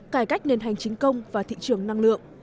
cải cách nền hành chính công và thị trường năng lượng